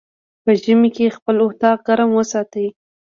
په ژمی کی خپل اطاق ګرم وساتی